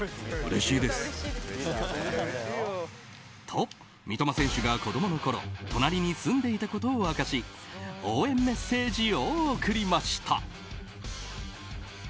と、三笘選手が子供のころ隣に住んでいたことを明かし応援メッセージを送りました。